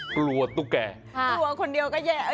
กลัวตู้แก่ฮะกลัวคนเดียวก็แย่